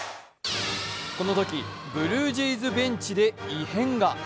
このときブルージェイズベンチで異変が。